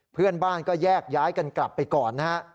เพื่อนบ้านก็แยกย้ายกันกลับไปก่อนนะฮะ